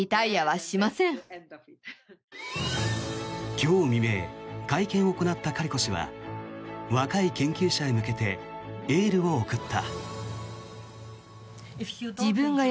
今日未明会見を行ったカリコ氏は若い研究者へ向けてエールを送った。